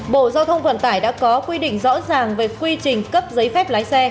bộ giao thông vận tải đã có quy định rõ ràng về quy trình cấp giấy phép lái xe